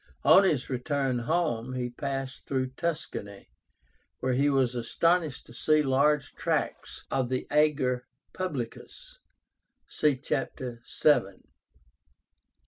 On his return home he passed through Tuscany where he was astonished to see large tracts of the ager publicus (see Chapter VII.)